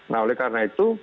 nah oleh karena itu